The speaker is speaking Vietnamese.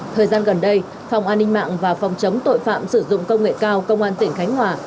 thời gian gần đây phòng an ninh mạng và phòng chống tội phạm sử dụng công nghệ cao công an tỉnh khánh hòa